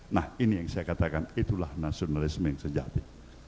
nah ini yang saya katakan itulah nasionalisme yang sejati